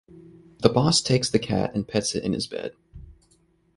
The boss takes the cat in and pets it in his bed.